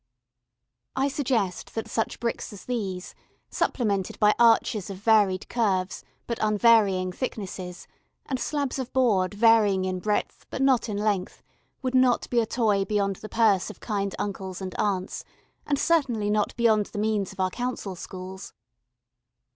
I suggest that such bricks as these, supplemented by arches of varied curves, but unvarying thicknesses, and slabs of board varying in breadth but not in length, would not be a toy beyond the purse of kind uncles and aunts, and certainly not beyond the means of our Council schools.